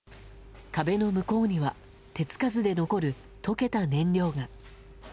壁の向こうには手つかずで残る溶けた燃料が。